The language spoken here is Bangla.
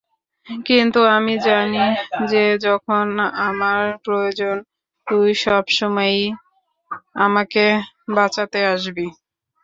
কিন্তু আমি জানি যে যখন আমার প্রয়োজন, তুই সবসময়ই আমাকে বাচাতে আসবি।